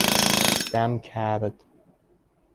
دم کرد